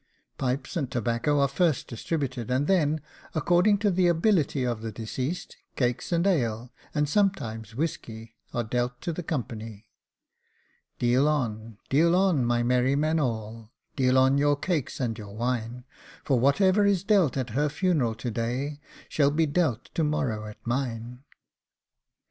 Pipes and tobacco are first distributed, and then, according to the ABILITY of the deceased, cakes and ale, and sometimes whisky, are DEALT to the company Deal on, deal on, my merry men all, Deal on your cakes and your wine, For whatever is dealt at her funeral to day Shall be dealt to morrow at mine.